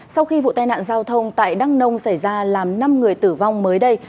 sau khi vụ tai nạn giao thông tại đắk nông xảy ra làm năm người tử vong mới đây